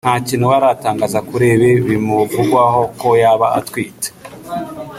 nta kintu we aratangaza kuri ibi bimuvugwaho ko yaba atwite